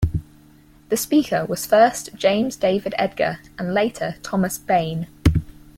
The Speaker was first James David Edgar, and later Thomas Bain.